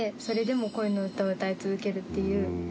それでも恋の歌を歌い続けるっていう。